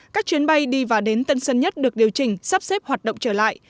các chuyến bay đi và đến tân sân nhất được điều chỉnh sắp xếp hoạt động trở lại